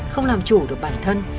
không làm chủ được bản thân